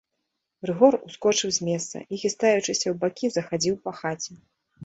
Рыгор ускочыў з месца і, хістаючыся ў бакі, захадзіў па хаце.